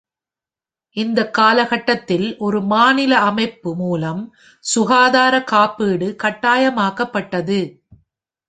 இந்த காலகட்டத்தில், ஒரு மாநில அமைப்பு மூலம் சுகாதார காப்பீடு கட்டாயமாக்கப்பட்டது.